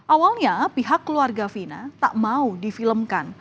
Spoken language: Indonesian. awalnya pihak keluarga fina tak mau difilmkan